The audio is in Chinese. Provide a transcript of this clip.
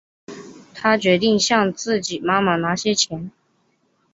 她决定向自己妈妈拿些钱